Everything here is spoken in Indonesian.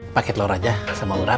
pakai telur aja sama urap